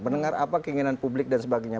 mendengar apa keinginan publik dan sebagainya